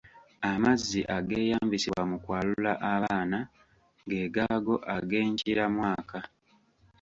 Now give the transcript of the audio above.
Amazzi ageeyambisibwa mu kwalula abaana ge gaago ag'enkiramwaka.